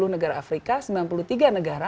sepuluh negara afrika sembilan puluh tiga negara